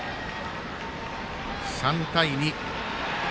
３対２。